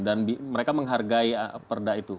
dan mereka menghargai perdah itu